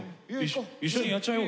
一緒にやっちゃおう。